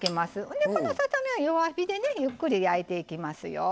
でこのささ身は弱火でねゆっくり焼いていきますよ。